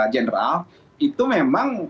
general itu memang